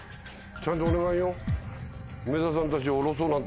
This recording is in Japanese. ちゃんとお願いよ。